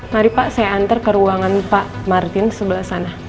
mari pak saya antar ke ruangan pak martin sebelah sana